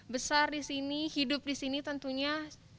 besar di sini hidup di sini tentunya